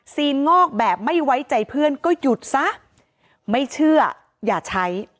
งอกแบบไม่ไว้ใจเพื่อนก็หยุดซะไม่เชื่ออย่าใช้